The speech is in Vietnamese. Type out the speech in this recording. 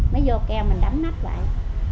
mới vô keo mình đắm nách lại